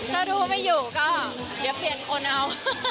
ถ้ารู้ว่าไม่อยู่ก็เดี๋ยวเปลี่ยนคนเอา